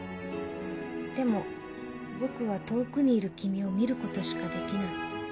「でも僕は遠くにいる君を見ることしかできない」